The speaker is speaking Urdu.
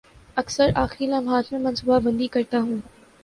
اکثر آخری لمحات میں منصوبہ بندی کرتا ہوں